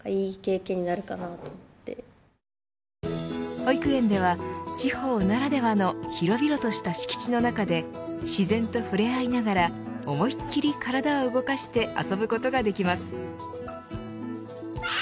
保育園では地方ならではの広々とした敷地の中で自然と触れ合いながら思いっきり体を動かして遊ぶことができます。